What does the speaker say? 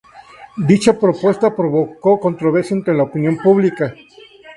Dicha propuesta provocó controversia entre la opinión pública.